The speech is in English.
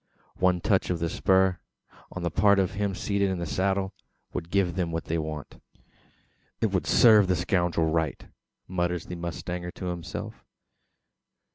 One touch of the spur, on the part of him seated in the saddle, would give them what they want. "It would serve the scoundrel right," mutters the mustanger to himself.